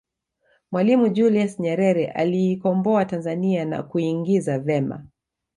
mwalimu julius nyerere aliikomboa tanzania na kuingiza vema